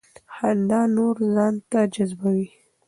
خندا نور ځان ته جذبوي.